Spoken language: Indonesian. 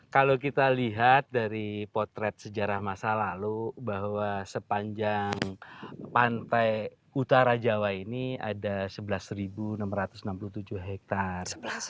kalau kita lihat dari potret sejarah masa lalu bahwa sepanjang pantai utara jawa ini ada sebelas enam ratus enam puluh tujuh hektare